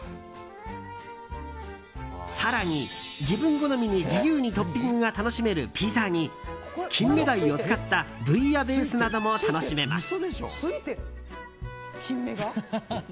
更に、自分好みに自由にトッピングが楽しめるピザにキンメダイを使ったブイヤベースなども楽しめます。